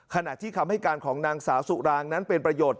ขณะที่คำให้การของนางสาวสุรางนั้นเป็นประโยชน์